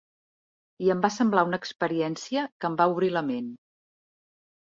I em va semblar una experiència que em va obrir la ment.